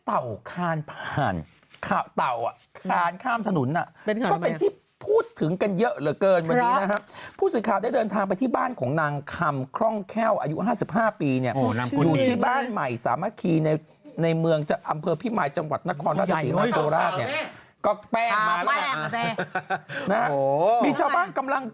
ต่อมาครับผมเรื่องสักนิดหนึ่งก่อนเกี่ยวกับช้าง